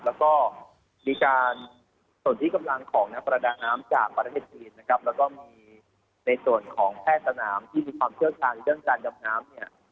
แล้วก็มีการส่วนที่กำลังของนักประดาน้ำจากประเทศจีนนะครับแล้วก็มีในส่วนของแพทย์สนามที่มีความเชี่ยวชาญเรื่องการดำน้ำเนี่ย